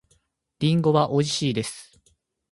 リンゴはおいしいです。